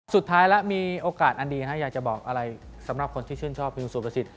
สุดท้ายล่ะมีโอกาสอันดีสำหรับคนที่ชื่นชอบ๒๒๐ตา